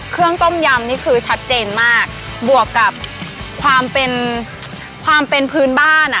ต้มยำนี่คือชัดเจนมากบวกกับความเป็นความเป็นพื้นบ้านอ่ะ